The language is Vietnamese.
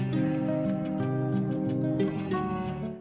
trong những video tiếp theo